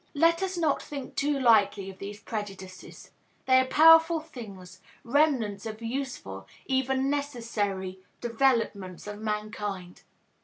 Let us not think too lightly of these prejudices; they are powerful things, remnants of useful, even necessary, developments of mankind.